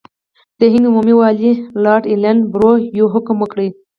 د هند عمومي والي لارډ ایلن برو یو حکم وکړ.